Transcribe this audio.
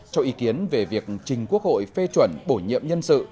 cho ý kiến về việc trình quốc hội phê chuẩn bổ nhiệm nhân sự